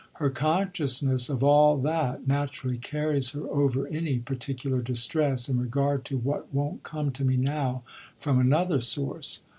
"Her consciousness of all that naturally carries her over any particular distress in regard to what won't come to me now from another source."